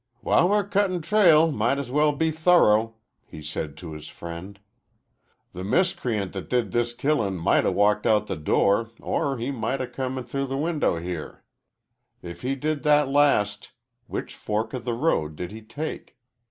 "While we're cuttin' trail might as well be thorough," he said to his friend. "The miscreant that did this killin' might 'a' walked out the door or he might 'a' come through the window here. If he did that last, which fork of the road did he take?